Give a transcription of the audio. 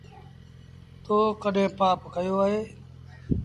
تو ڪڏهيݩ پآپ ڪيو اهي۔